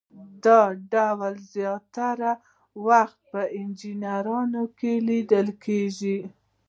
دا ډول زیاتره وخت په انجینرانو کې لیدل کیږي.